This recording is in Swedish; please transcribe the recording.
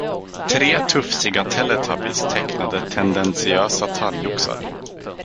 Tre tufsiga teletubbies tecknade tendentiösa talgoxar.